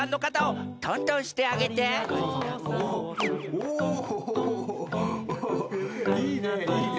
おいいねいいね！